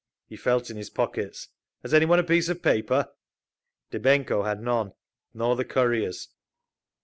He felt in his pockets. "Has any one a piece of paper?" Dybenko had none—nor the couriers.